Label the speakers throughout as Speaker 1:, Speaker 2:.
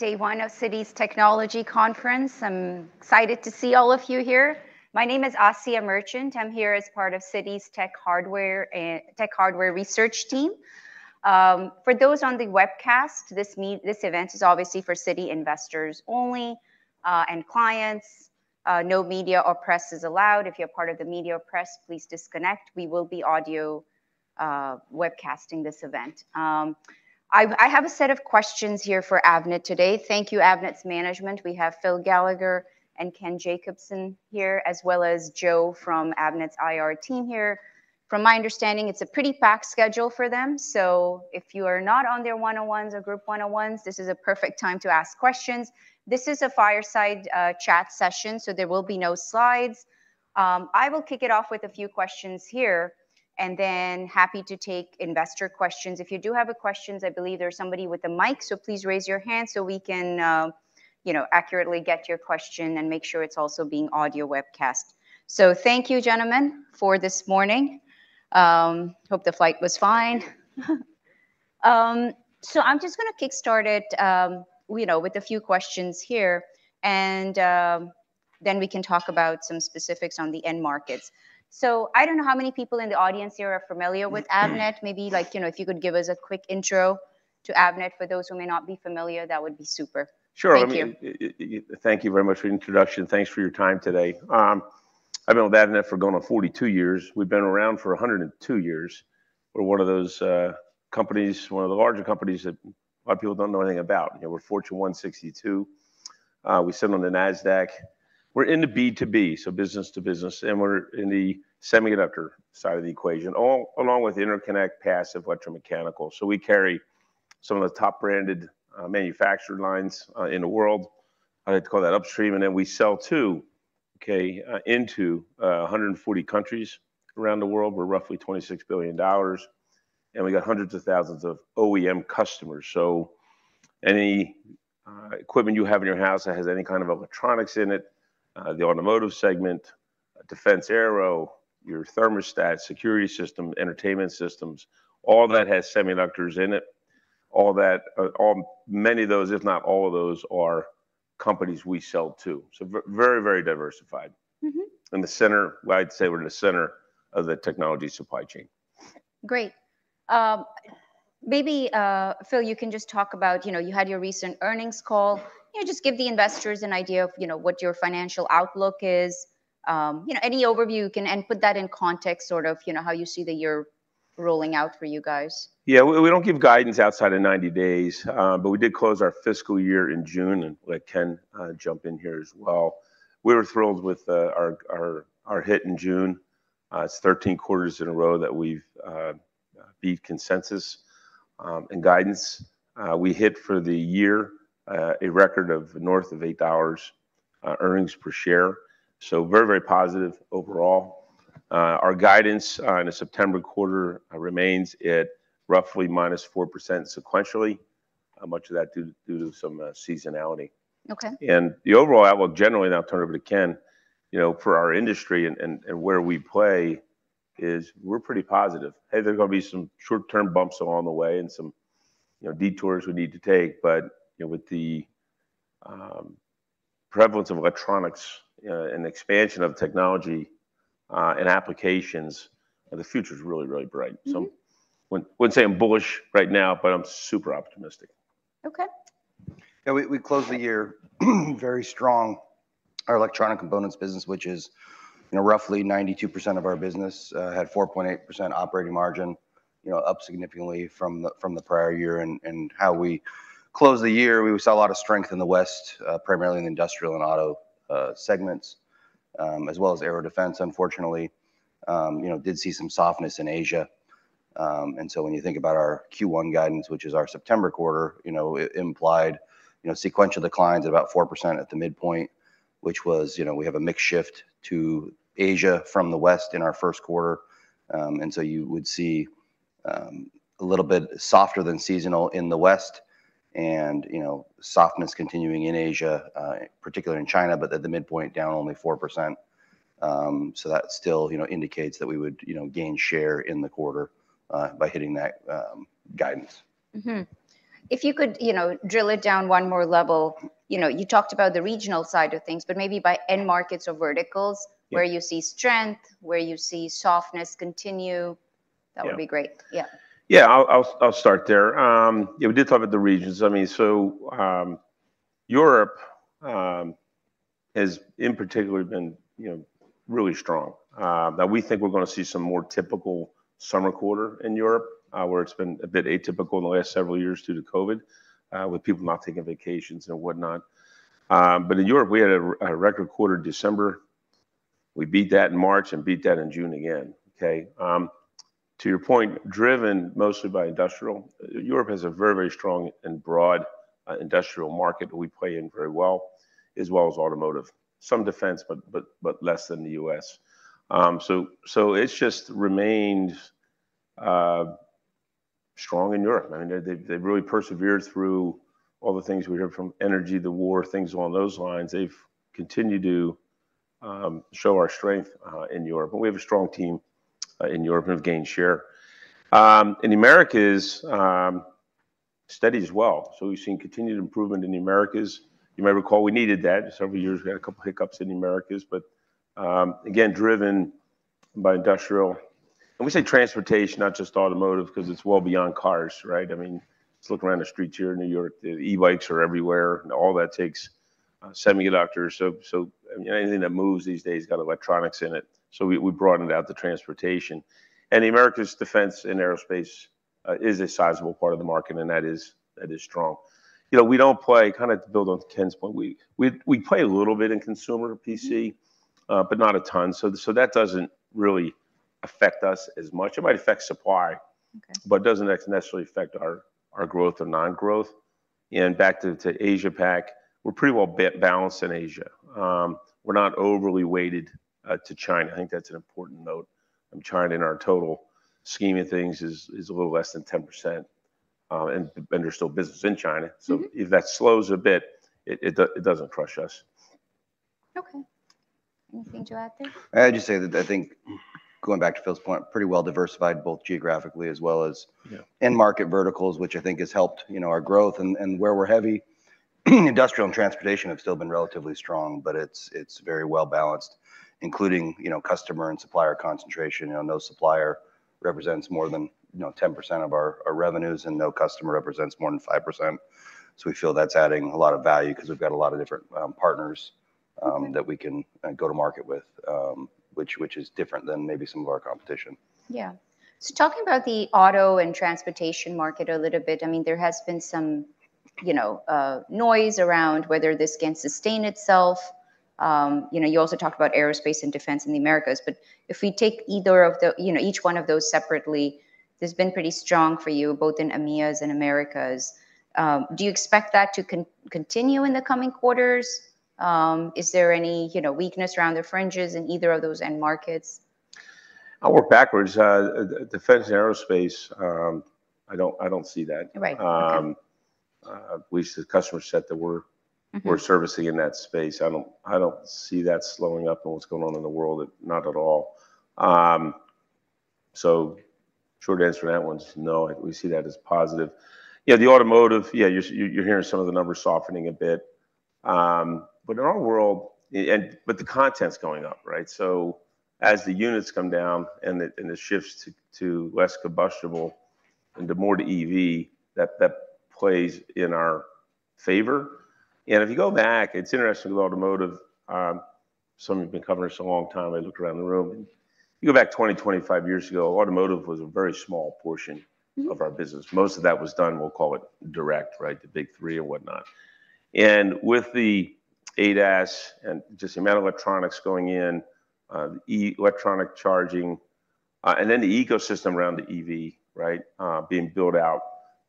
Speaker 1: Day one of Citi's Technology Conference. I'm excited to see all of you here. My name is Asiya Merchant. I'm here as part of Citi's Tech Hardware and Tech Hardware research team. For those on the webcast, this event is obviously for Citi investors only, and clients. No media or press is allowed. If you're part of the media or press, please disconnect. We will be audio webcasting this event. I have a set of questions here for Avnet today. Thank you, Avnet's management. We have Phil Gallagher and Ken Jacobson here, as well as Joe from Avnet's IR team here. From my understanding, it's a pretty packed schedule for them, so if you are not on their one-on-ones or group one-on-ones, this is a perfect time to ask questions. This is a fireside chat session, so there will be no slides. I will kick it off with a few questions here, and then happy to take investor questions. If you do have a questions, I believe there's somebody with a mic, so please raise your hand so we can you know, accurately get your question and make sure it's also being audio webcast. So thank you, gentlemen, for this morning. Hope the flight was fine. So I'm just gonna kickstart it you know, with a few questions here, and then we can talk about some specifics on the end markets. So I don't know how many people in the audience here are familiar with Avnet. Maybe like, you know, if you could give us a quick intro to Avnet for those who may not be familiar, that would be super.
Speaker 2: Sure.
Speaker 1: Thank you.
Speaker 2: I thank you very much for the introduction, and thanks for your time today. I've been with Avnet for going on 42 years. We've been around for 102 years. We're one of those companies, one of the larger companies that a lot of people don't know anything about. You know, we're Fortune 162. We sit on the Nasdaq. We're into B2B, so business to business, and we're in the semiconductor side of the equation, along with interconnect, passive, electromechanical. So we carry some of the top-branded manufactured lines in the world. I'd like to call that upstream, and then we sell to, okay, into 140 countries around the world. We're roughly $26 billion, and we got hundreds of thousands of OEM customers. So any equipment you have in your house that has any kind of electronics in it, the automotive segment, defense aero, your thermostat, security system, entertainment systems, all that has semiconductors in it. All that, all, many of those, if not all of those, are companies we sell to, so very, very diversified.
Speaker 1: Mm-hmm.
Speaker 2: In the center, well, I'd say we're in the center of the technology supply chain.
Speaker 1: Great. Maybe, Phil, you can just talk about, you know, you had your recent earnings call. You know, just give the investors an idea of, you know, what your financial outlook is. You know, any overview you can put that in context, sort of, you know, how you see the year rolling out for you guys.
Speaker 2: Yeah, we don't give guidance outside of 90 days, but we did close our fiscal year in June. And let Ken jump in here as well. We were thrilled with our hit in June. It's 13 quarters in a row that we've beat consensus and guidance. We hit for the year a record of north of $8 earnings per share, so very, very positive overall. Our guidance in the September quarter remains at roughly -4% sequentially, much of that due to some seasonality.
Speaker 1: Okay.
Speaker 2: The overall outlook, generally, and I'll turn it over to Ken, you know, for our industry and where we play is we're pretty positive. Hey, there's gonna be some short-term bumps along the way and some, you know, detours we need to take, but, you know, with the prevalence of electronics and the expansion of technology and applications, the future is really, really bright.
Speaker 1: Mm-hmm.
Speaker 2: I wouldn't say I'm bullish right now, but I'm super optimistic.
Speaker 1: Okay.
Speaker 3: Yeah, we closed the year very strong. Our electronic components business, which is, you know, roughly 92% of our business, had 4.8% operating margin, you know, up significantly from the prior year. And how we closed the year, we saw a lot of strength in the West, primarily in the industrial and auto segments, as well as aero defense. Unfortunately, you know, did see some softness in Asia. And so when you think about our Q1 guidance, which is our September quarter, you know, it implied, you know, sequential declines of about 4% at the midpoint, which was, you know, we have a mix shift to Asia from the West in our Q1. And so you would see a little bit softer than seasonal in the West and, you know, softness continuing in Asia, particularly in China, but at the midpoint, down only 4%. So that still, you know, indicates that we would, you know, gain share in the quarter by hitting that guidance.
Speaker 1: Mm-hmm. If you could, you know, drill it down one more level, you know, you talked about the regional side of things, but maybe by end markets or verticals?
Speaker 3: Yeah
Speaker 1: Where you see strength, where you see softness continue-
Speaker 3: Yeah.
Speaker 1: That would be great. Yeah.
Speaker 2: Yeah, I'll start there. Yeah, we did talk about the regions. I mean, so Europe has in particular been, you know, really strong. But we think we're gonna see some more typical summer quarter in Europe, where it's been a bit atypical in the last several years due to COVID, with people not taking vacations and whatnot. But in Europe, we had a record quarter December. We beat that in March and beat that in June again, okay? To your point, driven mostly by industrial. Europe has a very, very strong and broad industrial market that we play in very well, as well as automotive. Some defense, but less than the U.S. So it's just remained strong in Europe. I mean, they've really persevered through all the things we heard from energy, the war, things along those lines. They've continued to show our strength in Europe, but we have a strong team in Europe, and we've gained share. In the Americas, steady as well, so we've seen continued improvement in the Americas. You may recall we needed that. Several years, we had a couple hiccups in the Americas, but, again, driven by industrial, and we say transportation, not just automotive, 'cause it's well beyond cars, right? I mean, just look around the streets here in New York. The e-bikes are everywhere, and all that takes semiconductors. So, anything that moves these days got electronics in it, so we broadened out the transportation. The Americas, defense and aerospace, is a sizable part of the market, and that is strong. You know, we don't play-kinda to build on Ken's point, we play a little bit in consumer PC, but not a ton, so that doesn't really affect us as much. It might affect supply-
Speaker 1: Okay.
Speaker 2: But doesn't necessarily affect our, our growth or non-growth. And back to Asia Pac, we're pretty well balanced in Asia. We're not overly weighted to China. I think that's an important note. China, in our total scheme of things, is a little less than 10%, and there's still business in China.
Speaker 1: Mm-hmm.
Speaker 2: So if that slows a bit, it doesn't crush us.
Speaker 1: Okay. Anything to add there?
Speaker 3: I'd just say that I think, going back to Phil's point, pretty well diversified, both geographically as well as-
Speaker 2: Yeah
Speaker 3: End market verticals, which I think has helped, you know, our growth. And where we're heavy, industrial and transportation have still been relatively strong, but it's very well-balanced, including, you know, customer and supplier concentration. You know, no supplier represents more than, you know, 10% of our revenues, and no customer represents more than 5%. So we feel that's adding a lot of value 'cause we've got a lot of different partners that we can go to market with, which is different than maybe some of our competition.
Speaker 1: Yeah. So talking about the auto and transportation market a little bit, I mean, there has been some, you know, noise around whether this can sustain itself. You know, you also talked about aerospace and defense in the Americas, but if we take either of the... you know, each one of those separately, this has been pretty strong for you, both in EMEA and Americas. Do you expect that to continue in the coming quarters? Is there any, you know, weakness around the fringes in either of those end markets?
Speaker 2: I'll work backwards. Defense and aerospace, I don't see that.
Speaker 1: Right. Okay.
Speaker 2: We see the customer set that we're-
Speaker 1: Mm-hmm
Speaker 2: We're servicing in that space. I don't, I don't see that slowing up and what's going on in the world, not at all. So short answer to that one is no, we see that as positive. Yeah, the automotive, yeah, you're, you're hearing some of the numbers softening a bit, but in our world, and but the content's going up, right? So as the units come down, and it shifts to less combustible and to more to EV, that plays in our favor. And if you go back, it's interesting with automotive, some of you have been covering us a long time. I looked around the room. You go back 20-25 years ago, automotive was a very small portion-
Speaker 1: Mm-hmm
Speaker 2: Of our business. Most of that was done, we'll call it direct, right? The big three or whatnot. And with the ADAS and just the amount of electronics going in, electronic charging, and then the ecosystem around the EV, right, being built out,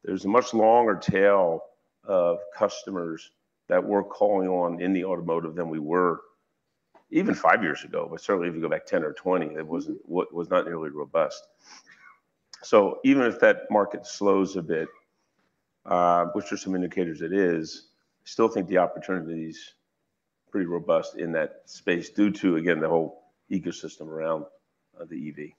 Speaker 2: there's a much longer tail of customers that we're calling on in the automotive than we were even five years ago. But certainly, if you go back 10 or 20, it wasn't nearly robust. So even if that market slows a bit, which there are some indicators it is, I still think the opportunity is pretty robust in that space due to, again, the whole ecosystem around the EV.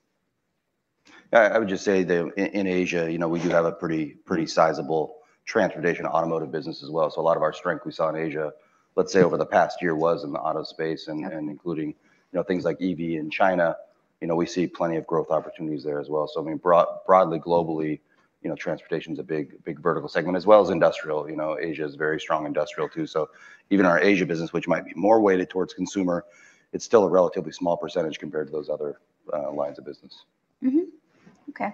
Speaker 3: I would just say that in Asia, you know, we do have a pretty sizable transportation automotive business as well. So a lot of our strength we saw in Asia, let's say, over the past year, was in the auto space and-
Speaker 1: Yeah
Speaker 3: And including, you know, things like EV in China. You know, we see plenty of growth opportunities there as well. So, I mean, broadly, globally, you know, transportation's a big, big vertical segment as well as industrial. You know, Asia is very strong industrial too. So even our Asia business, which might be more weighted towards consumer, it's still a relatively small percentage compared to those other lines of business.
Speaker 1: Mm-hmm. Okay.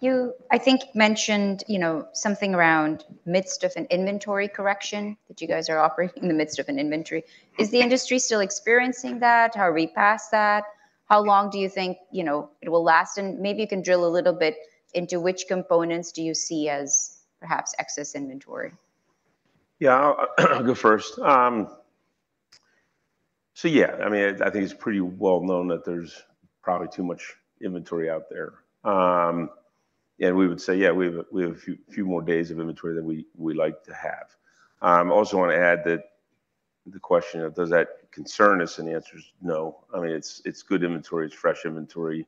Speaker 1: You, I think, mentioned, you know, something around the midst of an inventory correction, that you guys are operating in the midst of an inventory. Is the industry still experiencing that? Are we past that? How long do you think, you know, it will last? And maybe you can drill a little bit into which components do you see as perhaps excess inventory.
Speaker 2: Yeah, I'll go first. So yeah, I mean, I think it's pretty well known that there's probably too much inventory out there. And we would say, yeah, we have a few more days of inventory than we like to have. I also want to add that the question of does that concern us? And the answer is no. I mean, it's good inventory, it's fresh inventory.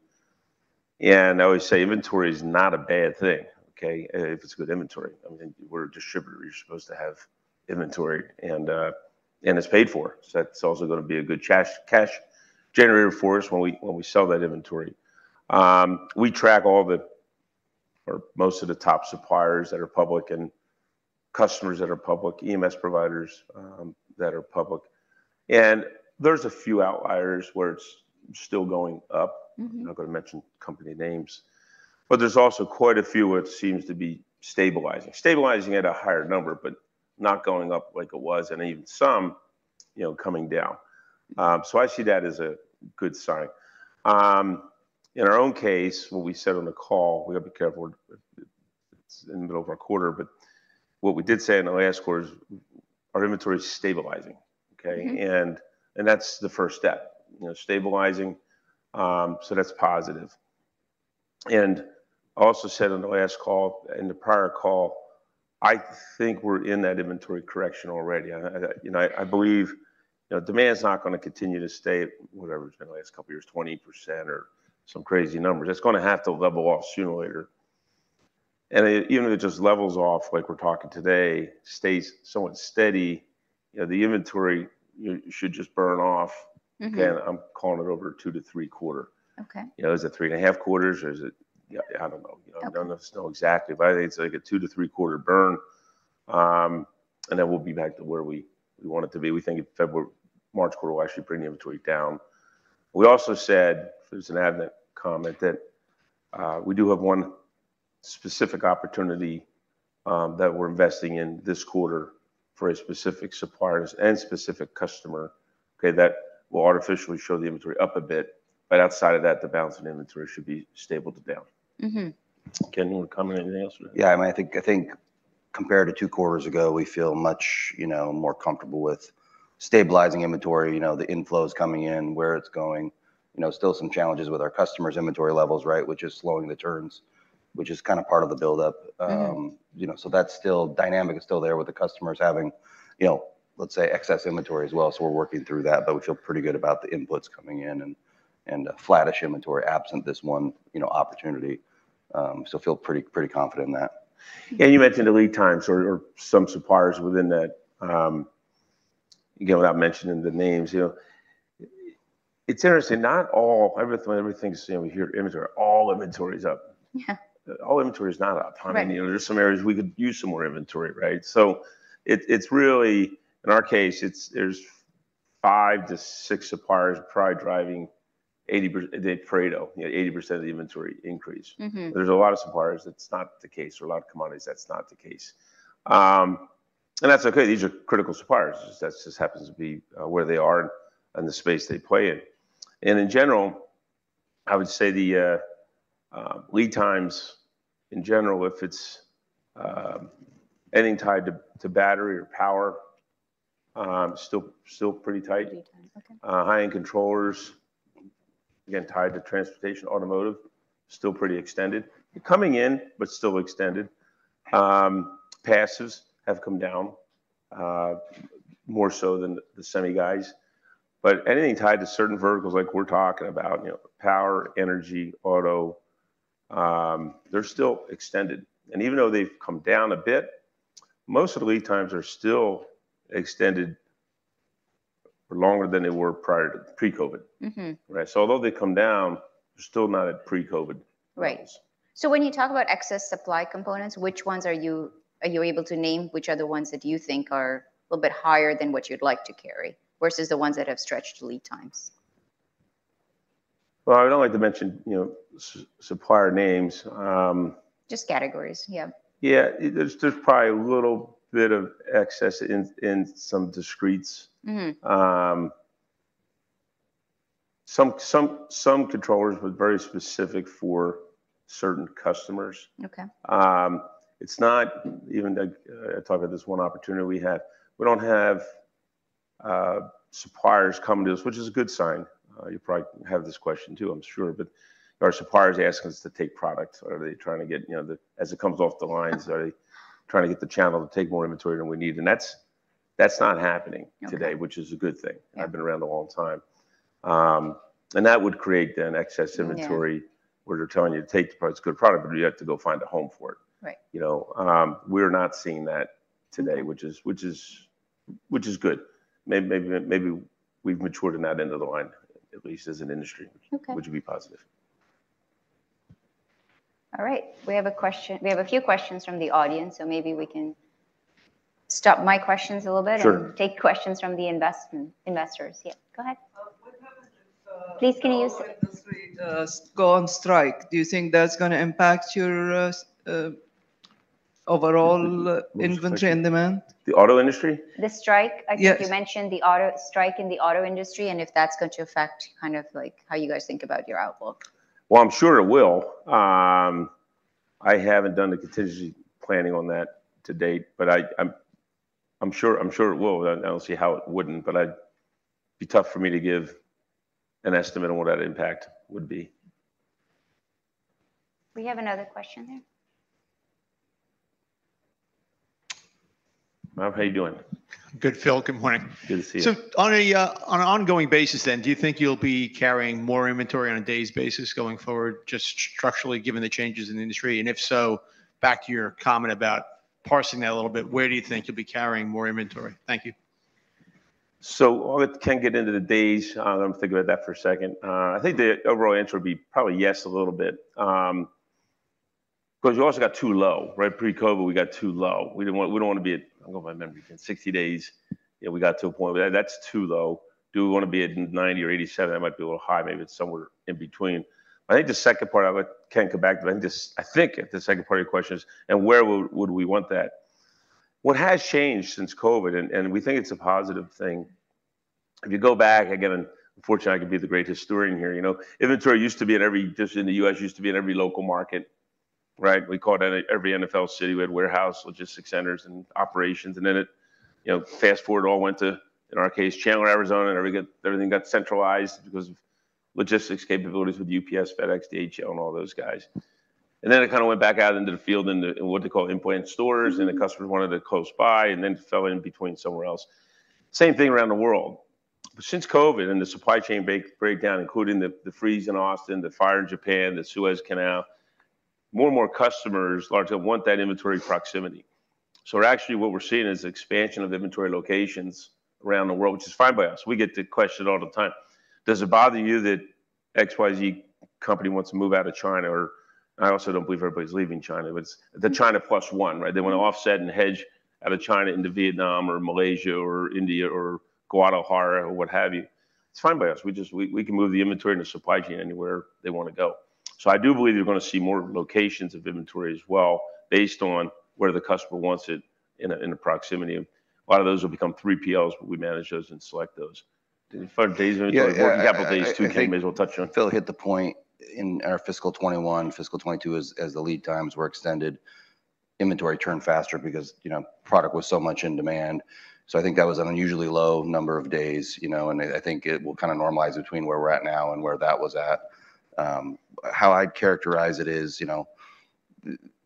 Speaker 2: And I always say inventory is not a bad thing, okay, if it's good inventory. I mean, we're a distributor. You're supposed to have inventory, and it's paid for, so that's also gonna be a good cash generator for us when we sell that inventory. We track all the... or most of the top suppliers that are public and customers that are public, EMS providers, that are public, and there's a few outliers where it's still going up.
Speaker 1: Mm-hmm.
Speaker 2: I'm not gonna mention company names, but there's also quite a few where it seems to be stabilizing. Stabilizing at a higher number, but not going up like it was, and even some, you know, coming down. So I see that as a good sign. In our own case, what we said on the call, we got to be careful. It's in the middle of our quarter, but what we did say in our last quarter is our inventory is stabilizing, okay?
Speaker 1: Mm-hmm.
Speaker 2: And that's the first step, you know, stabilizing, so that's positive. And I also said on the last call, in the prior call, I think we're in that inventory correction already. And I, you know, I believe, you know, demand's not gonna continue to stay at whatever it's been the last couple years, 20% or some crazy numbers. It's gonna have to level off sooner or later. And even if it just levels off like we're talking today, stays somewhat steady, you know, the inventory, you know, should just burn off.
Speaker 1: Mm-hmm.
Speaker 2: I'm calling it over 2-3 quarters.
Speaker 1: Okay.
Speaker 2: You know, is it 3.5 quarters, or is it... Yeah, I don't know.
Speaker 1: Okay.
Speaker 2: I don't know exactly, but I think it's like a 2-3 quarter burn, and then we'll be back to where we want it to be. We think February, March quarter will actually bring the inventory down. We also said, it was an Avnet comment, that we do have one specific opportunity that we're investing in this quarter for a specific suppliers and specific customer, okay, that will artificially show the inventory up a bit, but outside of that, the balance in inventory should be stable to down.
Speaker 1: Mm-hmm.
Speaker 2: Ken, you wanna comment anything else on that?
Speaker 3: Yeah, I mean, I think, I think compared to two quarters ago, we feel much, you know, more comfortable with stabilizing inventory, you know, the inflows coming in, where it's going. You know, still some challenges with our customers' inventory levels, right, which is slowing the turns, which is kind of part of the buildup.
Speaker 1: Mm-hmm.
Speaker 3: You know, so that's still dynamic is still there with the customers having, you know, let's say, excess inventory as well, so we're working through that, but we feel pretty good about the inputs coming in and a flattish inventory absent this one, you know, opportunity. So feel pretty, pretty confident in that.
Speaker 2: Yeah, you mentioned the lead times or some suppliers within that. Again, without mentioning the names, you know, it's interesting, not all everything's same. We hear all inventory is up.
Speaker 1: Yeah.
Speaker 2: All inventory is not up.
Speaker 1: Right.
Speaker 2: I mean, you know, there's some areas we could use some more inventory, right? So it, it's really, in our case, it's, there's 5-6 suppliers probably driving 80%-the Pareto, you know, 80% of the inventory increase.
Speaker 1: Mm-hmm.
Speaker 2: There's a lot of suppliers, that's not the case, or a lot of commodities, that's not the case. And that's okay. These are critical suppliers. That's just happens to be, where they are and, and the space they play in. And in general, I would say the, lead times, in general, if it's, anything tied to, to battery or power, still, still pretty tight.
Speaker 1: Lead Times, okay.
Speaker 2: High-end controllers, again, tied to transportation, automotive, still pretty extended. They're coming in, but still extended. Passives have come down more so than the semi guys. But anything tied to certain verticals like we're talking about, you know, power, energy, auto, they're still extended. And even though they've come down a bit, most of the lead times are still extended longer than they were prior to the pre-COVID.
Speaker 1: Mm-hmm.
Speaker 2: Right. So although they come down, they're still not at pre-COVID levels.
Speaker 1: Right. When you talk about excess supply components, which ones are you... Are you able to name which are the ones that you think are a little bit higher than what you'd like to carry, versus the ones that have stretched lead times?
Speaker 2: Well, I don't like to mention, you know, supplier names.
Speaker 1: Just categories, yeah.
Speaker 2: Yeah. There's probably a little bit of excess in some discretes.
Speaker 1: Mm-hmm.
Speaker 2: Some controllers were very specific for certain customers.
Speaker 1: Okay.
Speaker 2: It's not even, like, I talk about this one opportunity we had. We don't have suppliers coming to us, which is a good sign. You probably have this question too, I'm sure, but our suppliers ask us to take products, or they're trying to get, you know, the, as it comes off the lines—they're trying to get the channel to take more inventory than we need, and that's not happening.
Speaker 1: Okay
Speaker 2: Today, which is a good thing.
Speaker 1: Yeah.
Speaker 2: I've been around a long time. That would create then excess inventory-
Speaker 1: Yeah
Speaker 2: Where they're telling you to take the product. It's a good product, but you have to go find a home for it.
Speaker 1: Right.
Speaker 2: You know, we're not seeing that today, which is good. Maybe we've matured in that end of the line, at least as an industry-
Speaker 1: Okay
Speaker 2: Which would be positive.
Speaker 1: All right. We have a few questions from the audience, so maybe we can stop my questions a little bit—
Speaker 2: Sure
Speaker 1: And take questions from the investors. Yeah, go ahead. What happens if the auto industry does go on strike? Do you think that's gonna impact your overall-
Speaker 2: Inventory
Speaker 1: -inventory and demand?
Speaker 2: The auto industry?
Speaker 1: The strike? Yes. I think you mentioned the auto strike in the auto industry, and if that's going to affect kind of, like, how you guys think about your outlook.
Speaker 2: Well, I'm sure it will. I haven't done the contingency planning on that to date, but I'm, I'm sure, I'm sure it will. I don't see how it wouldn't, but it'd be tough for me to give an estimate on what that impact would be.
Speaker 1: We have another question there.
Speaker 2: Rob, how are you doing?
Speaker 4: Good, Phil. Good morning.
Speaker 2: Good to see you.
Speaker 4: So on an ongoing basis then, do you think you'll be carrying more inventory on a day's basis going forward, just structurally, given the changes in the industry? And if so, back to your comment about parsing that a little bit, where do you think you'll be carrying more inventory? Thank you.
Speaker 2: So I can't get into the days. Let me think about that for a second. I think the overall answer would be probably yes, a little bit. Because you also got too low, right? Pre-COVID, we got too low. We didn't want, we don't want to be at, I don't know if I remember, 60 days, yeah, we got to a point where that's too low. Do we wanna be at 90 or 87? That might be a little high. Maybe it's somewhere in between. I think the second part of your question is, and where would we want that? What has changed since COVID, and we think it's a positive thing. If you go back, again, unfortunately, I could be the great historian here, you know, inventory used to be at every, just in the U.S., used to be in every local market. Right, we called it every NFL city. We had warehouse, logistics centers, and operations, and then it, you know, fast-forward, it all went to, in our case, Chandler, Arizona, and everything got centralized because of logistics capabilities with UPS, FedEx, DHL, and all those guys. And then it kinda went back out into the field, into, in what they call in-plant stores, and the customer wanted it close by, and then fell in between somewhere else. Same thing around the world. But since COVID and the supply chain breakdown, including the freeze in Austin, the fire in Japan, the Suez Canal, more and more customers largely want that inventory proximity. So actually, what we're seeing is expansion of inventory locations around the world, which is fine by us. We get the question all the time: Does it bother you that XYZ company wants to move out of China? Or I also don't believe everybody's leaving China, but it's the China plus one, right? They wanna offset and hedge out of China into Vietnam or Malaysia or India or Guadalajara, or what have you. It's fine by us. We can move the inventory and the supply chain anywhere they wanna go. So I do believe you're gonna see more locations of inventory as well, based on where the customer wants it in a, in a proximity. A lot of those will become 3PLs, but we manage those and select those. Did you find days-
Speaker 3: Yeah.
Speaker 2: Working capital days too, may as well touch on.
Speaker 3: Phil hit the point in our fiscal 2021, fiscal 2022, as the lead times were extended, inventory turned faster because, you know, product was so much in demand. So I think that was an unusually low number of days, you know, and I think it will kinda normalize between where we're at now and where that was at. How I'd characterize it is, you know,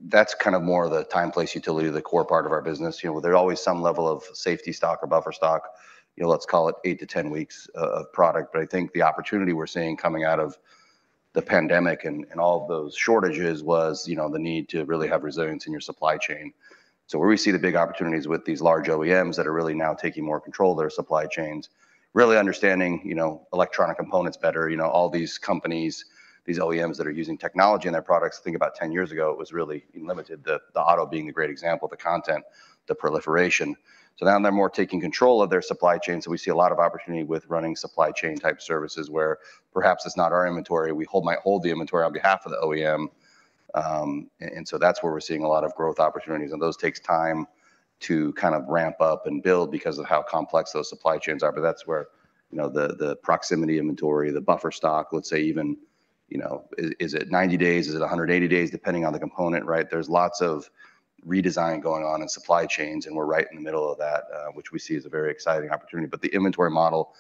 Speaker 3: that's kind of more the time, place, utility, the core part of our business. You know, there's always some level of safety stock or buffer stock, you know, let's call it 8-10 weeks of product. But I think the opportunity we're seeing coming out of the pandemic and all of those shortages was, you know, the need to really have resilience in your supply chain. So where we see the big opportunities with these large OEMs that are really now taking more control of their supply chains, really understanding, you know, electronic components better, you know, all these companies, these OEMs that are using technology in their products. Think about 10 years ago, it was really limited, the auto being the great example, the content, the proliferation. So now they're more taking control of their supply chain, so we see a lot of opportunity with running supply chain-type services where perhaps it's not our inventory. We might hold the inventory on behalf of the OEM, and so that's where we're seeing a lot of growth opportunities, and those takes time to kind of ramp up and build because of how complex those supply chains are. But that's where, you know, the, the proximity inventory, the buffer stock, let's say even, you know, is it 90 days? Is it 180 days? Depending on the component, right? There's lots of redesign going on in supply chains, and we're right in the middle of that, which we see as a very exciting opportunity. But the inventory model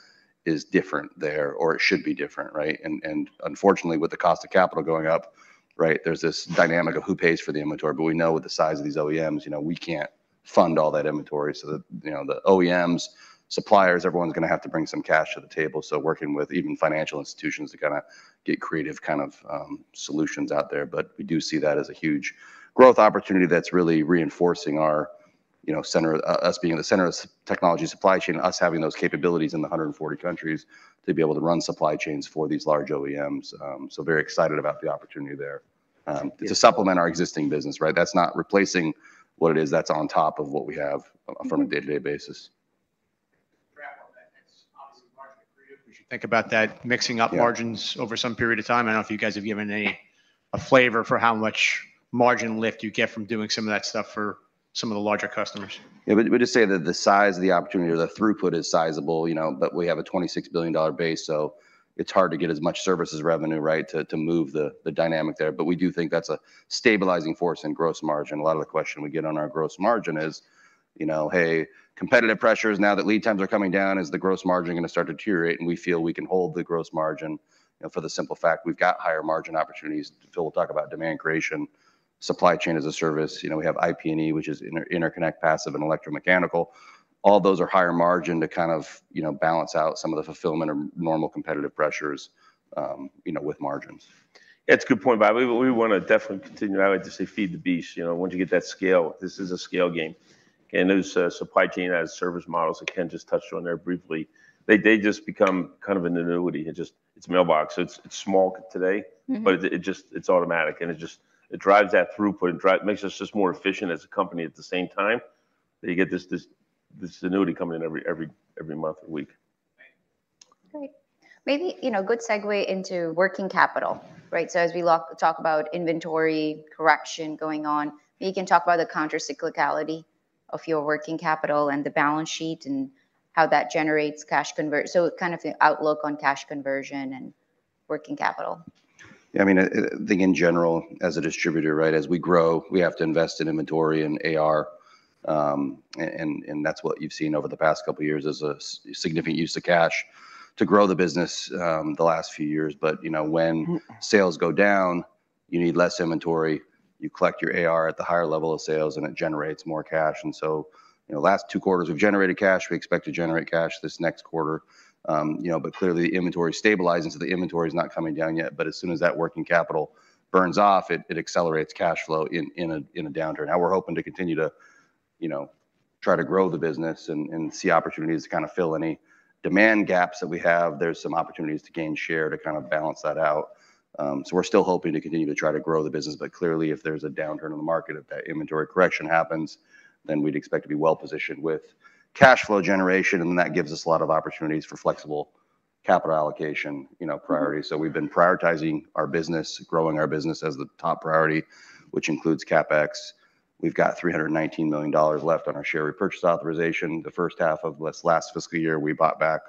Speaker 3: is different there, or it should be different, right? And unfortunately, with the cost of capital going up, right, there's this dynamic of who pays for the inventory. But we know with the size of these OEMs, you know, we can't fund all that inventory, so the, you know, the OEMs, suppliers, everyone's gonna have to bring some cash to the table. So working with even financial institutions to kind a get creative, kind of, solutions out there. But we do see that as a huge growth opportunity that's really reinforcing our, you know, center, us being the center of technology supply chain, us having those capabilities in the 140 countries to be able to run supply chains for these large OEMs. So very excited about the opportunity there, to supplement our existing business, right? That's not replacing what it is, that's on top of what we have from a day-to-day basis.
Speaker 5: Grab on that. It's obviously marginal for you. We should think about that, mixing up margins-
Speaker 3: Yeah
Speaker 5: Over some period of time. I don't know if you guys have given any, a flavor for how much margin lift you get from doing some of that stuff for some of the larger customers.
Speaker 3: Yeah, we'd just say that the size of the opportunity or the throughput is sizable, you know, but we have a $26 billion base, so it's hard to get as much services revenue, right, to move the dynamic there. But we do think that's a stabilizing force in gross margin. A lot of the question we get on our gross margin is, you know, "Hey, competitive pressures, now that lead times are coming down, is the gross margin gonna start to deteriorate?" And we feel we can hold the gross margin, you know, for the simple fact we've got higher margin opportunities. Phil will talk about demand creation, supply chain as a service. You know, we have IP&E, which is interconnect, passive, and electromechanical. All those are higher margin to kind of, you know, balance out some of the fulfillment or normal competitive pressures, you know, with margins.
Speaker 2: It's a good point, but we wanna definitely continue. I like to say, feed the beast. You know, once you get that scale, this is a scale game, and as a supply chain as service models, and Ken just touched on there briefly, they just become kind of an annuity. It just... It's mailbox. It's small today-
Speaker 1: Mm-hmm.
Speaker 2: But it just, it's automatic, and it just drives that throughput and makes us just more efficient as a company at the same time that you get this annuity coming in every month and week.
Speaker 1: Great. Maybe, you know, a good segue into working capital, right? So as we talk about inventory correction going on, maybe you can talk about the countercyclicality of your working capital and the balance sheet and how that generates cash conversion—so kind of the outlook on cash conversion and working capital.
Speaker 3: Yeah, I mean, I think in general, as a distributor, right, as we grow, we have to invest in inventory and AR, and that's what you've seen over the past couple of years, is a significant use of cash to grow the business, the last few years. But, you know, when-
Speaker 1: Mm-hmm
Speaker 3: Sales go down, you need less inventory, you collect your AR at the higher level of sales, and it generates more cash. And so, you know, last two quarters, we've generated cash. We expect to generate cash this next quarter. You know, but clearly, the inventory stabilizing, so the inventory is not coming down yet, but as soon as that working capital burns off it, it accelerates cash flow in a downturn. Now, we're hoping to continue to, you know, try to grow the business and see opportunities to kind a fill any demand gaps that we have. There's some opportunities to gain share, to kind of balance that out. So, we're still hoping to continue to try to grow the business, but clearly, if there's a downturn in the market, if that inventory correction happens, then we'd expect to be well-positioned with cash flow generation, and then that gives us a lot of opportunities for flexible capital allocation, you know, priorities.
Speaker 1: Mm-hmm.
Speaker 3: We've been prioritizing our business, growing our business as the top priority, which includes CapEx. We've got $319 million left on our share repurchase authorization. The first half of this last fiscal year, we bought back-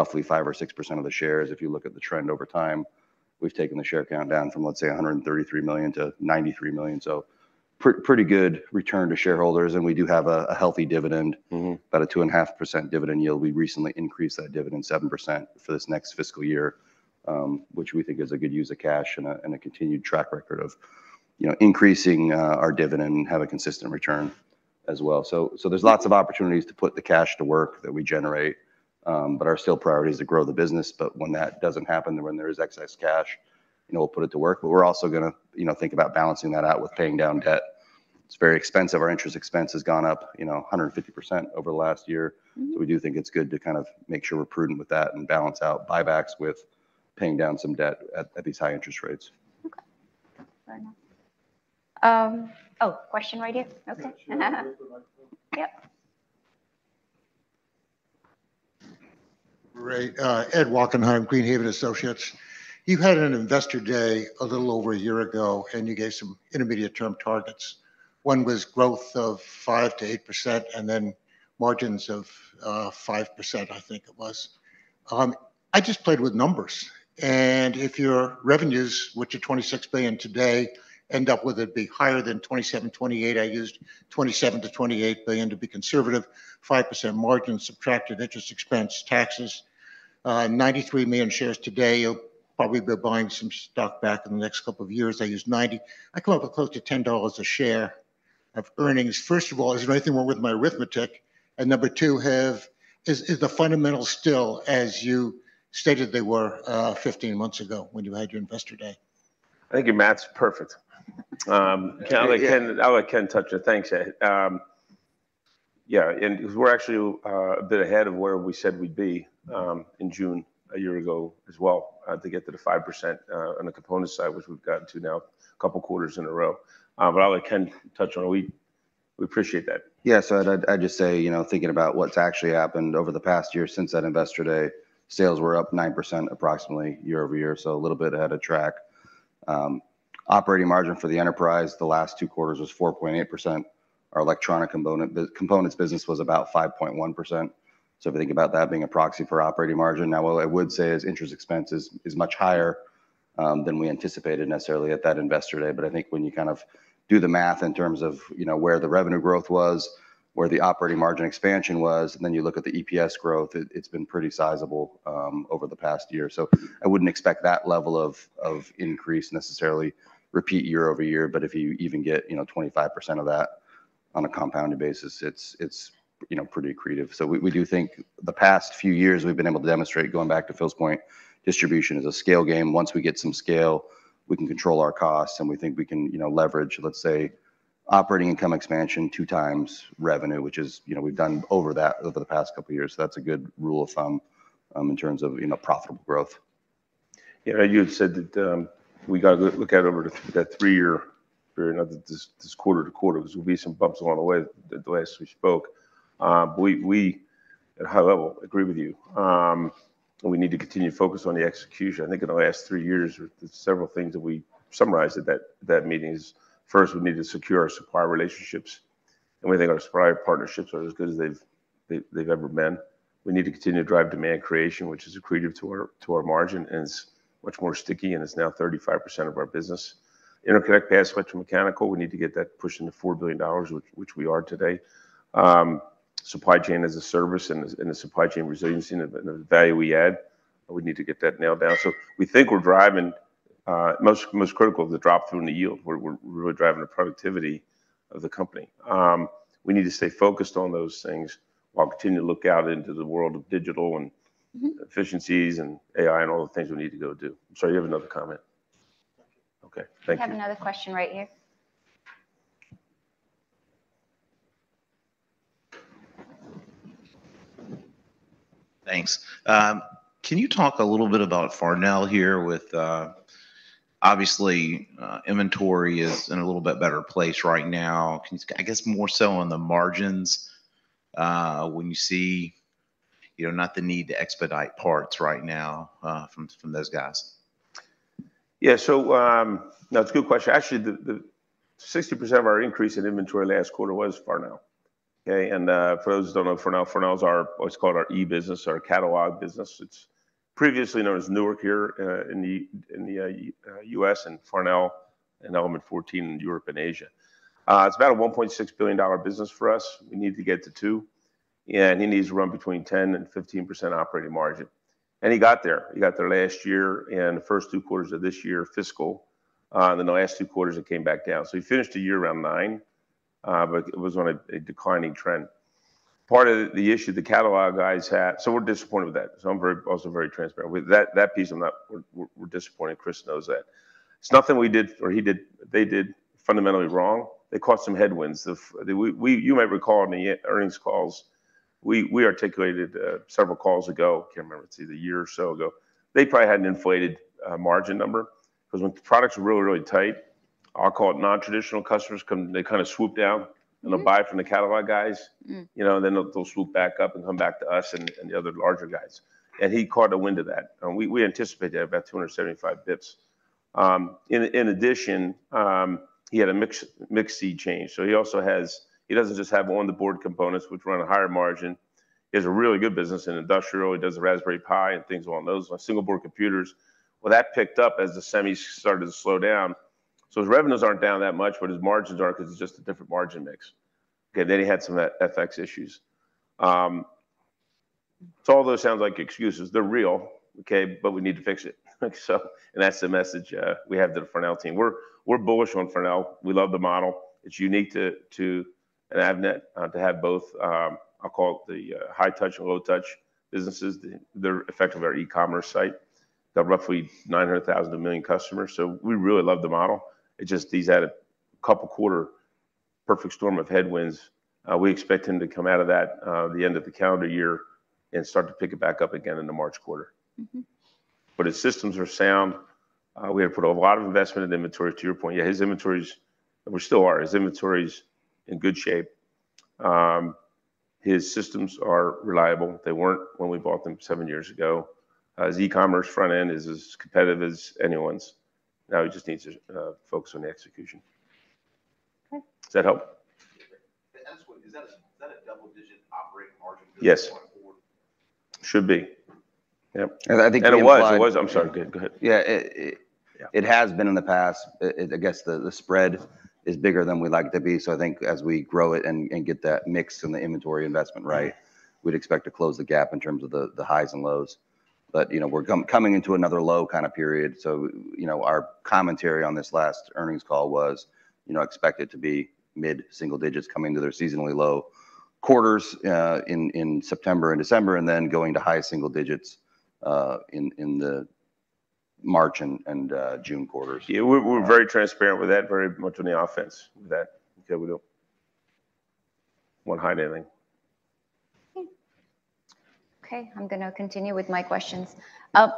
Speaker 2: Roughly 5% or 6% of the shares. If you look at the trend over time, we've taken the share count down from, let's say, 133 million to 93 million. So pretty good return to shareholders, and we do have a healthy dividend.
Speaker 3: Mm-hmm.
Speaker 2: About a 2.5% dividend yield. We recently increased that dividend 7% for this next fiscal year, which we think is a good use of cash and a continued track record of, you know, increasing our dividend and have a consistent return as well. So, there's lots of opportunities to put the cash to work that we generate, but our first priority is to grow the business. But when that doesn't happen, and when there is excess cash, you know, we'll put it to work. But we're also gonna, you know, think about balancing that out with paying down debt. It's very expensive. Our interest expense has gone up, you know, 150% over the last year.
Speaker 3: Mm-hmm.
Speaker 2: We do think it's good to kind of make sure we're prudent with that and balance out buybacks with paying down some debt at these high interest rates.
Speaker 3: Okay. Fair enough. Oh, question right here? Okay.
Speaker 6: Yeah, use the microphone.
Speaker 3: Yep.
Speaker 6: Ray, Ed Wachenheim, Greenhaven Associates. You had an Investor Day a little over a year ago, and you gave some intermediate-term targets. One was growth of 5%-8%, and then margins of 5%, I think it was. I just played with numbers, and if your revenues, which are $26 billion today, end up, whether it be higher than 27, 28, I used $27 billion-$28 billion to be conservative, 5% margin, subtracted interest expense, taxes. 93 million shares today, you'll probably be buying some stock back in the next couple of years. I used 90. I come up with close to $10 a share of earnings. First of all, is there anything wrong with my arithmetic? And number two, is the fundamentals still as you stated they were, 15 months ago when you had your Investor Day?
Speaker 2: I think your math's perfect.
Speaker 3: Yeah.
Speaker 2: I'll let Ken, I'll let Ken touch it. Thanks, Ed. Yeah, and we're actually a bit ahead of where we said we'd be in June a year ago as well to get to the 5% on the component side, which we've gotten to now a couple of quarters in a row. But I'll let Ken touch on it. We appreciate that.
Speaker 3: Yeah, so I'd, I'd just say, you know, thinking about what's actually happened over the past year since that Investor Day, sales were up 9%, approximately, year-over-year, so a little bit ahead of track. Operating margin for the enterprise the last two quarters was 4.8%. Our electronic component, components business was about 5.1%. So if you think about that being a proxy for operating margin, now, what I would say is interest expense is, is much higher than we anticipated necessarily at that Investor Day. But I think when you kind of do the math in terms of, you know, where the revenue growth was, where the operating margin expansion was, and then you look at the EPS growth, it, it's been pretty sizable over the past year. So I wouldn't expect that level of increase necessarily repeat year-over-year, but if you even get, you know, 25% of that on a compounded basis, it's, you know, pretty accretive. So we do think the past few years we've been able to demonstrate, going back to Phil's point, distribution is a scale game. Once we get some scale, we can control our costs, and we think we can, you know, leverage, let's say, operating income expansion two times revenue, which is, you know, we've done that over the past couple of years. That's a good rule of thumb in terms of, you know, profitable growth.
Speaker 2: Yeah, you had said that, we got to look at it over that 3-year period, not this quarter to quarter. There will be some bumps along the way the last we spoke. But we at high level agree with you. And we need to continue to focus on the execution. I think in the last 3 years, there are several things that we summarized at that meeting: first, we need to secure our supplier relationships, and we think our supplier partnerships are as good as they've ever been. We need to continue to drive demand creation, which is accretive to our margin, and it's much more sticky, and it's now 35% of our business. Interconnect, passive, electromechanical, we need to get that pushed into $4 billion, which we are today. Supply chain as a service and the supply chain resiliency and the value we add, we need to get that nailed down. So we think we're driving most critical, the drop through in the yield, where we're really driving the productivity of the company. We need to stay focused on those things while continuing to look out into the world of digital and-
Speaker 3: Mm-hmm
Speaker 2: Efficiencies and AI, and all the things we need to go do. I'm sorry, you have another comment.
Speaker 6: Thank you.
Speaker 2: Okay, thank you.
Speaker 3: We have another question right here.
Speaker 7: Thanks. Can you talk a little bit about Farnell here obviously, inventory is in a little bit better place right now. I guess more so on the margins, when you see, you know, not the need to expedite parts right now, from, from those guys?
Speaker 2: Yeah. So, that's a good question. Actually, the 60% of our increase in inventory last quarter was Farnell. Okay, and for those who don't know Farnell, Farnell is our, what's called our e-business or our catalog business. It's previously known as Newark here in the U.S., and Farnell and element14 in Europe and Asia. It's about a $1.6 billion business for us. We need to get to $2 billion, and he needs to run 10%-15% operating margin. And he got there. He got there last year and the first 2 quarters of this year, fiscal, and then the last 2 quarters, it came back down. So he finished the year around 9%, but it was on a declining trend. Part of the issue the catalog guys had. So we're disappointed with that. So I'm very, also very transparent. With that, that piece, we're, we're disappointed. Chris knows that. It's nothing we did, or he did, they did fundamentally wrong. They caught some headwinds. We, we, you might recall in the earnings calls, we, we, articulated several calls ago, I can't remember, it's either a year or so ago, they probably had an inflated margin number. Because when the products are really, really tight, our call it nontraditional customers come, they kind of swoop down-
Speaker 3: Mm-hmm
Speaker 2: And they'll buy from the catalog guys.
Speaker 3: Mm.
Speaker 2: You know, and then they'll, they'll swoop back up and come back to us and, and the other larger guys. And he caught a wind of that, and we, we anticipated about 275 basis points. In addition, he had a mix shift change. So he also has- he doesn't just have on-board components, which run a higher margin. He has a really good business in industrial. He does the Raspberry Pi and things along those lines, single-board computers. Well, that picked up as the semis started to slow down. So his revenues aren't down that much, but his margins are, 'cause it's just a different margin mix. Okay, then he had some FX issues. So all those sounds like excuses. They're real, okay? But we need to fix it. So and that's the message we have to the Farnell team. We're bullish on Farnell. We love the model. It's unique to an Avnet to have both, I'll call it the high-touch and low-touch businesses. They're the effect of our e-commerce site. They've got roughly 900,000-1 million customers, so we really love the model. It just had a couple quarters perfect storm of headwinds. We expect him to come out of that, the end of the calendar year and start to pick it back up again in the March quarter.
Speaker 1: Mm-hmm.
Speaker 2: But his systems are sound. We have put a lot of investment in inventory, to your point. Yeah, his inventories still are in good shape. His systems are reliable. They weren't when we bought them seven years ago. His e-commerce front end is as competitive as anyone's. Now, he just needs to focus on the execution.
Speaker 1: Okay.
Speaker 2: Does that help?
Speaker 7: Yeah, great. And also, is that a double-digit operating margin?
Speaker 2: Yes
Speaker 7: -going forward?
Speaker 2: Should be. Yep.
Speaker 3: And I think the implied-
Speaker 2: It was. I'm sorry. Go ahead, go ahead.
Speaker 3: Yeah, it-
Speaker 2: Yeah
Speaker 3: It has been in the past. It, I guess, the spread is bigger than we'd like it to be, so I think as we grow it and get that mix in the inventory investment right, we'd expect to close the gap in terms of the highs and lows. But, you know, we're coming into another low kind of period. So, you know, our commentary on this last earnings call was, you know, expect it to be mid-single digits coming to their seasonally low quarters in September and December, and then going to high single digits in the March and June quarters.
Speaker 2: Yeah, we're very transparent with that, very much on the offense with that. Yeah, we don't want hide anything.
Speaker 1: Okay. Okay, I'm gonna continue with my questions.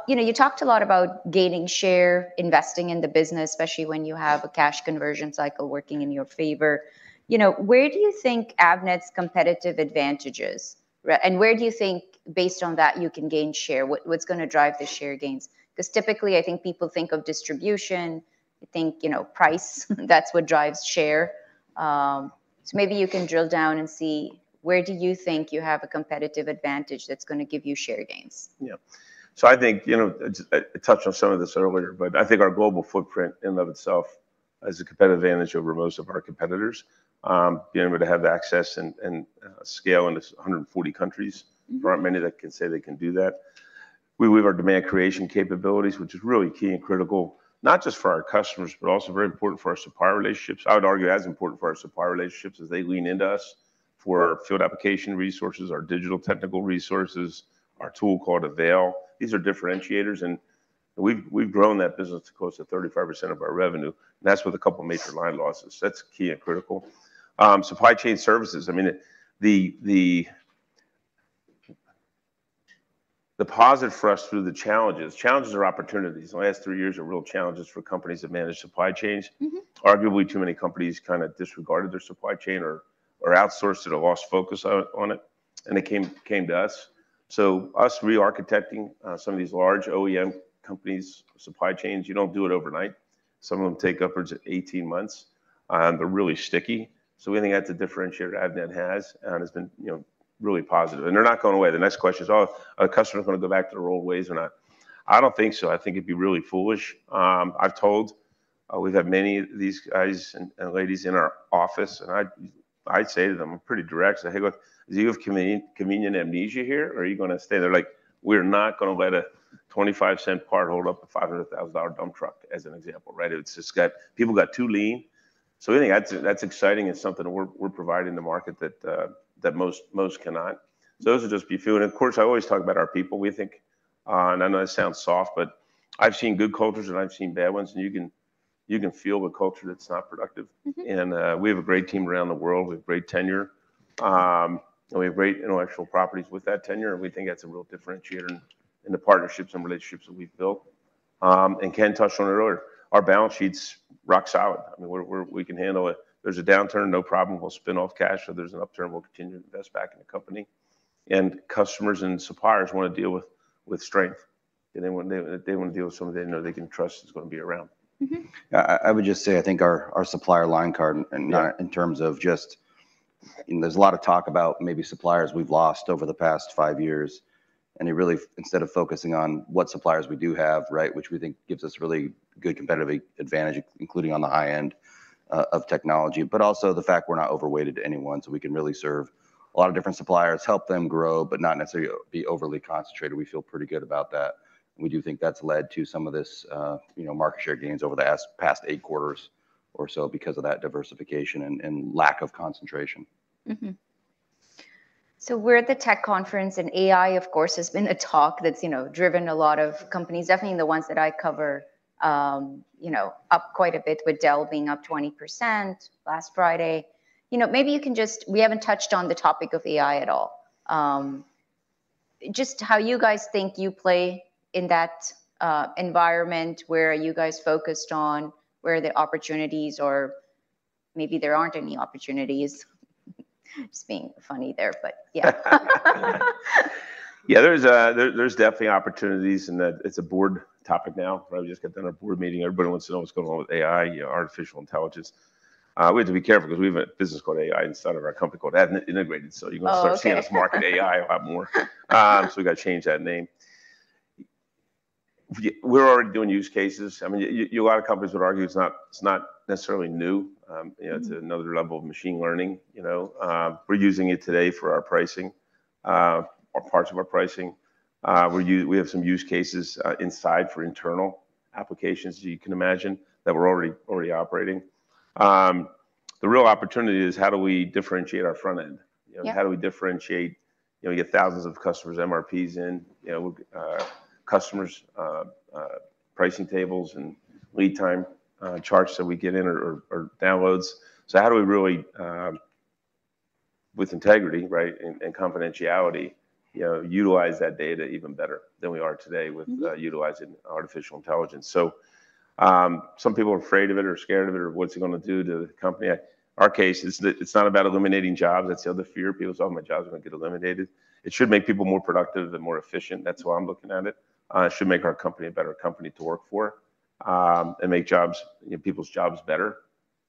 Speaker 1: You know, you talked a lot about gaining share, investing in the business, especially when you have a cash conversion cycle working in your favor. You know, where do you think Avnet's competitive advantage is? Right, and where do you think, based on that, you can gain share? What, what's gonna drive the share gains? Because typically, I think people think of distribution. They think, you know, price. That's what drives share. So maybe you can drill down and see where do you think you have a competitive advantage that's gonna give you share gains?
Speaker 2: Yeah. So I think, you know, I touched on some of this earlier, but I think our global footprint in and of itself is a competitive advantage over most of our competitors. Being able to have the access and scale in this 140 countries-
Speaker 1: Mm-hmm
Speaker 2: There aren't many that can say they can do that. We have our demand creation capabilities, which is really key and critical, not just for our customers, but also very important for our supplier relationships. I would argue, as important for our supplier relationships, as they lean into us for field application resources, our digital technical resources, our tool called Avail. These are differentiators, and we've grown that business to close to 35% of our revenue, and that's with a couple of major line losses. So that's key and critical. Supply chain services, I mean, the positive for us through the challenges. Challenges are opportunities. The last three years are real challenges for companies that manage supply chains.
Speaker 1: Mm-hmm.
Speaker 2: Arguably, too many companies kind of disregarded their supply chain or outsourced it or lost focus on it, and they came to us. So us re-architecting some of these large OEM companies' supply chains, you don't do it overnight. Some of them take upwards of 18 months, and they're really sticky. So we think that's a differentiator Avnet has, and it's been, you know, really positive. And they're not going away. The next question is, are customers gonna go back to the old ways or not? I don't think so. I think it'd be really foolish. I've told, we've had many of these guys and ladies in our office, and I say to them, I'm pretty direct. I say: "Hey, look, do you have convenient, convenient amnesia here, or are you gonna stay there?" Like, we're not gonna let a 25-cent part hold up a $500,000 dump truck, as an example, right? It's just got people got too lean. So I think that's, that's exciting, it's something that we're, we're providing the market that, that most, most cannot. Those will just be few, and of course, I always talk about our people. We think, and I know this sounds soft, but I've seen good cultures, and I've seen bad ones, and you can, you can feel the culture that's not productive.
Speaker 1: Mm-hmm.
Speaker 2: And we have a great team around the world; we have great tenure. And we have great intellectual properties with that tenure, and we think that's a real differentiator in the partnerships and relationships that we've built. And Ken touched on it earlier; our balance sheet's rock solid. I mean, we're, we can handle it. There's a downturn, no problem. We'll spin off cash. So if there's an upturn, we'll continue to invest back in the company. And customers and suppliers wanna deal with strength, and they want, they wanna deal with someone they know they can trust is gonna be around.
Speaker 1: Mm-hmm.
Speaker 3: I would just say, I think our supplier line card-
Speaker 2: Yeah
Speaker 3: And in terms of just, and there's a lot of talk about maybe suppliers we've lost over the past five years, instead of focusing on what suppliers we do have, right, which we think gives us really good competitive advantage, including on the high end of technology, but also the fact we're not overweighted to anyone, so we can really serve a lot of different suppliers, help them grow, but not necessarily be overly concentrated. We feel pretty good about that, and we do think that's led to some of this, you know, market share gains over the past eight quarters or so because of that diversification and lack of concentration.
Speaker 1: Mm-hmm. So we're at the tech conference, and AI, of course, has been a talk that's, you know, driven a lot of companies, definitely the ones that I cover, you know, up quite a bit, with Dell being up 20% last Friday. You know, maybe you can just, we haven't touched on the topic of AI at all. Just how you guys think you play in that environment, where are you guys focused on, where are the opportunities maybe there aren't any opportunities. Just being funny there, but yeah.
Speaker 2: Yeah, there's definitely opportunities, and that it's a board topic now. We just got done our board meeting, everybody wants to know what's going on with AI, artificial intelligence. We have to be careful 'cause we have a business called AI inside of our company called Avnet Integrated, so-
Speaker 1: Oh, okay.
Speaker 2: You're gonna start seeing us market AI a lot more. So we gotta change that name. Yeah, we're already doing use cases. I mean, a lot of companies would argue it's not, it's not necessarily new. You know-
Speaker 1: Mm.
Speaker 2: It's another level of machine learning, you know. We're using it today for our pricing, or parts of our pricing. We're we have some use cases inside for internal applications, as you can imagine, that we're already operating. The real opportunity is how do we differentiate our front end?
Speaker 1: Yep.
Speaker 2: You know, how do we differentiate? You know, we get thousands of customers' MRPs in, you know, customers' pricing tables, and lead time charts that we get in or downloads. So how do we really, with integrity, right, and confidentiality, you know, utilize that data even better than we are today?
Speaker 1: Mm-hmm
Speaker 2: With utilizing artificial intelligence? So, some people are afraid of it, or scared of it, or what's it gonna do to the company. Our case is that it's not about eliminating jobs, that's the other fear. People say, "Oh, my job's gonna get eliminated." It should make people more productive and more efficient. That's why I'm looking at it. It should make our company a better company to work for, and make jobs, you know, people's jobs better,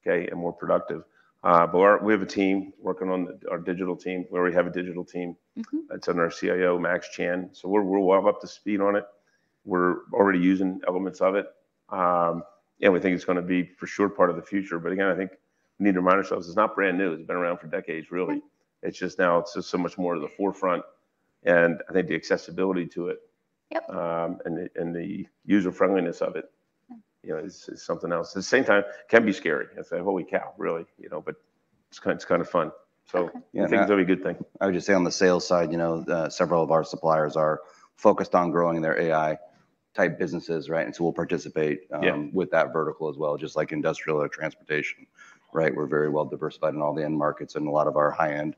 Speaker 2: okay, and more productive. But we have a team working on... our digital team. We already have a digital team-
Speaker 1: Mm-hmm
Speaker 2: That's under our CIO, Max Chan. So we're well up to speed on it. We're already using elements of it. And we think it's gonna be, for sure, part of the future. But again, I think we need to remind ourselves, it's not brand new. It's been around for decades, really.
Speaker 1: Mm.
Speaker 2: It's just now, it's just so much more to the forefront, and I think the accessibility to it-
Speaker 1: Yep
Speaker 2: And the user-friendliness of it-
Speaker 1: Yeah
Speaker 2: You know, is something else. At the same time, can be scary. It's like, holy cow, really? You know, but it's kind of fun.
Speaker 1: Okay.
Speaker 2: So I think it's a good thing.
Speaker 3: I would just say on the sales side, you know, several of our suppliers are focused on growing their AI-type businesses, right? And so we'll participate-
Speaker 2: Yeah
Speaker 3: With that vertical as well, just like industrial or transportation, right? We're very well diversified in all the end markets, and a lot of our high-end,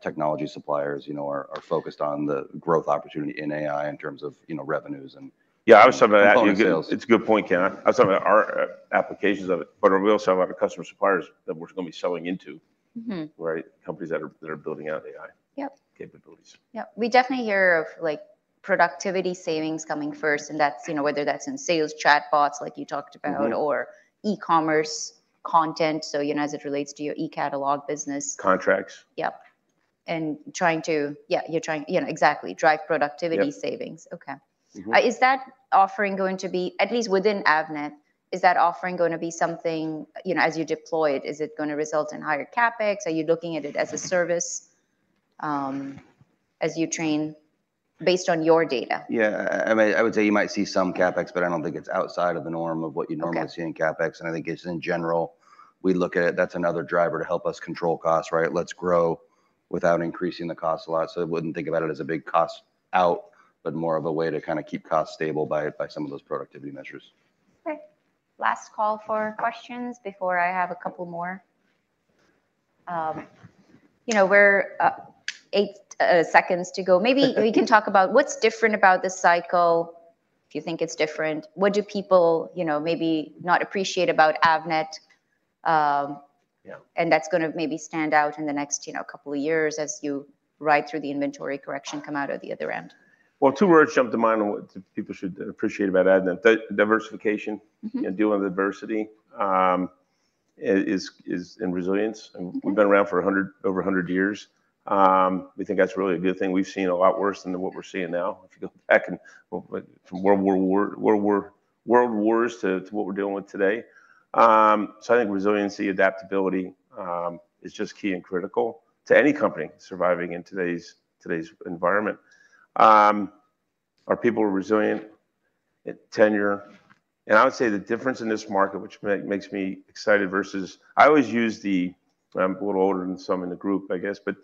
Speaker 3: technology suppliers, you know, are focused on the growth opportunity in AI in terms of, you know, revenues and-
Speaker 2: Yeah, I was just about to ask you-
Speaker 3: Sales.
Speaker 2: It's a good point, Ken. I was talking about our applications of it, but we also have a customer, suppliers that we're gonna be selling into.
Speaker 1: Mm-hmm.
Speaker 2: Right? Companies that are building out AI-
Speaker 1: Yep
Speaker 2: Capabilities.
Speaker 1: Yep. We definitely hear of, like, productivity savings coming first, and that's, you know, whether that's in sales, chatbots, like you talked about-
Speaker 2: Mm-hmm
Speaker 1: Or e-commerce content, so you know, as it relates to your e-catalog business.
Speaker 2: Contracts.
Speaker 1: Yep, and trying to... Yeah, you're trying, you know, exactly, drive productivity savings.
Speaker 2: Yep.
Speaker 1: Okay.
Speaker 2: Mm-hmm.
Speaker 1: Is that offering going to be, at least within Avnet, is that offering going to be something, you know, as you deploy it, is it gonna result in higher CapEx? Are you looking at it as a service, as you train based on your data?
Speaker 3: Yeah, I mean, I would say you might see some CapEx, but I don't think it's outside of the norm of what you'd-
Speaker 1: Okay
Speaker 3: Normally see in CapEx, and I think just in general, we look at it. That's another driver to help us control costs, right? Let's grow without increasing the cost a lot. So I wouldn't think about it as a big cost out, but more of a way to kind of keep costs stable by some of those productivity measures.
Speaker 1: Okay. Last call for questions before I have a couple more. You know, we're 8 seconds to go. Maybe we can talk about what's different about this cycle, if you think it's different. What do people, you know, maybe not appreciate about Avnet.
Speaker 2: Yeah
Speaker 1: And that's gonna maybe stand out in the next, you know, couple of years as you ride through the inventory correction, come out of the other end?
Speaker 2: Well, two words jump to mind on what people should appreciate about Avnet. Diversification-
Speaker 1: Mm-hmm
Speaker 2: And dealing with adversity, is, and resilience.
Speaker 1: Mm-hmm.
Speaker 2: We've been around for 100, over 100 years. We think that's really a good thing. We've seen a lot worse than what we're seeing now. If you go back and, well, from World War, World Wars to what we're dealing with today. So I think resiliency, adaptability, is just key and critical to any company surviving in today's environment. Our people are resilient, tenure, and I would say the difference in this market, which makes me excited versus I always use the, I'm a little older than some in the group, I guess, but,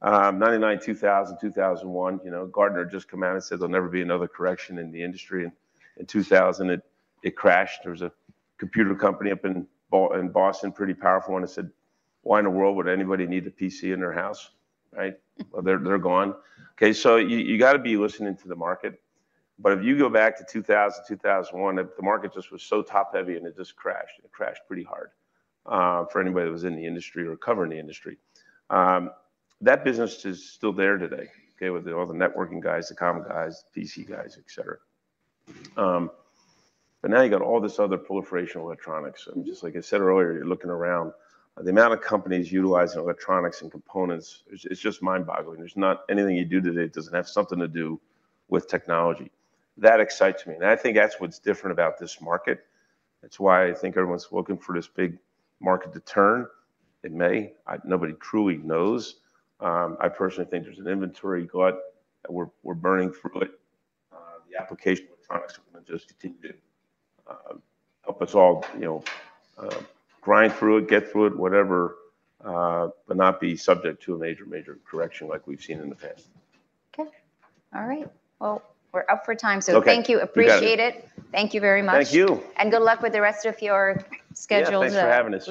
Speaker 2: 1999, 2000, 2001, you know, Gartner just come out and said, "There'll never be another correction in the industry," and in 2000, it crashed. There was a computer company up in Boston, pretty powerful, and it said, "Why in the world would anybody need a PC in their house," right? "Well, they're gone." Okay, so you got to be listening to the market. But if you go back to 2000, 2001, the market just was so top-heavy, and it just crashed. It crashed pretty hard for anybody that was in the industry or covering the industry. That business is still there today, okay, with the all the networking guys, the com guys, PC guys, et cetera. But now you got all this other proliferation of electronics. Just like I said earlier, you're looking around, the amount of companies utilizing electronics and components, it's just mind-boggling. There's not anything you do today, doesn't have something to do with technology. That excites me, and I think that's what's different about this market. That's why I think everyone's looking for this big market to turn. It may. I, nobody truly knows. I personally think there's an inventory glut, and we're burning through it. The application of electronics is gonna just continue to help us all, you know, grind through it, get through it, whatever, but not be subject to a major correction like we've seen in the past.
Speaker 1: Okay. All right. Well, we're up for time-
Speaker 2: Okay.
Speaker 1: Thank you.
Speaker 2: You got it.
Speaker 1: Appreciate it. Thank you very much.
Speaker 2: Thank you!
Speaker 1: Good luck with the rest of your schedules.
Speaker 2: Yeah, thanks for having us.